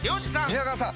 宮川さん